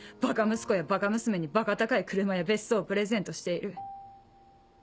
息子やばか娘にばか高い車や別荘をプレゼントしている。